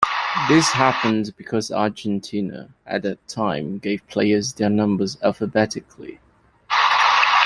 This happened because Argentina, at that time, gave players their numbers alphabetically.